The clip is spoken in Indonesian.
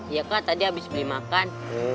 iya kak tadi abis beli makan